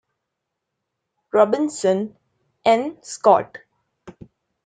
Robinson, N. Scott.